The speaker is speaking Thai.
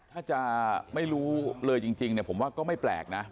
ถ้าจะไม่รู้เลยจริงผมว่าก็ไม่แปลกนะ